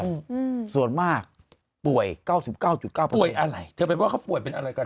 เชื่อส่วนมากป่วย๙๙๙ป่วยอะไรเธอเป็นว่าเขาป่วยเป็นอะไรกัน